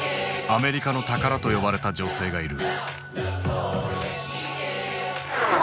「アメリカの宝」と呼ばれた女性がいる。